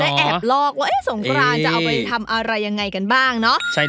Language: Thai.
แอบลอกว่าสงกรานจะเอาไปทำอะไรยังไงกันบ้างเนาะ